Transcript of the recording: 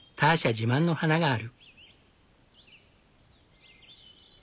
自慢の花がある。